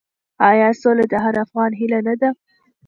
آیا سوله د هر افغان هیله نه ده؟